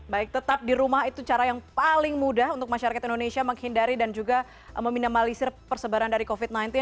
baik tetap di rumah itu cara yang paling mudah untuk masyarakat indonesia menghindari dan juga meminimalisir persebaran dari covid sembilan belas